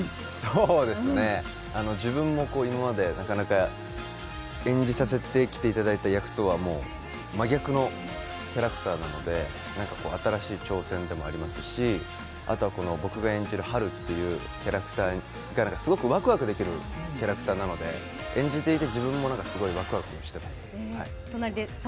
そうですね、自分も今まで演じさせていただいてきた役とはもう真逆のキャラクターなので、新しい挑戦というのもありますし、僕が演じるハルというキャラクターがすごくワクワクできるキャラクターなので演じていて自分もすごいワクワクしています。